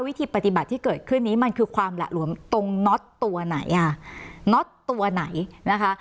วิธีปฏิบัติที่เกิดขึ้นนี้มันคือความหละหลวมตรงน็อตตัวไหนอ่ะน็อตตัวไหนนะคะ